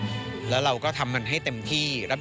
พี่ว่าความมีสปีริตของพี่แหวนเป็นตัวอย่างที่พี่จะนึกถึงเขาเสมอ